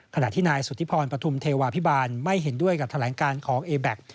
ขณะที่นายสุธิพรปฐุมเทวาพิบาลไม่เห็นด้วยกับแถลงการของเอแบ็ค